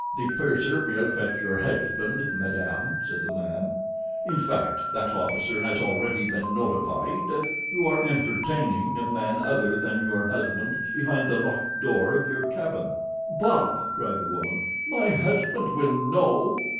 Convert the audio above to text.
"The purser will fetch your husband, madame," said the man. "In fact, that officer has already been notified that you are entertaining a man other than your husband behind the locked door of your cabin." "Bah!" cried the woman. "My husband will know!"